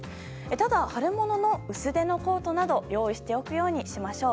ただ、春物の薄手のコートなど用意しておくようにしましょう。